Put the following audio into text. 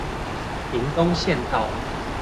屏東縣道